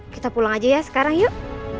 kita pulang aja ya sekarang yuk